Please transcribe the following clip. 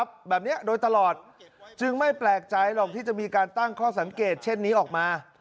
แบบนี้โดยตลอดจึงไม่แปลกใจหรอกที่จะมีการตั้งข้อสังเกตเช่นนี้ออกมา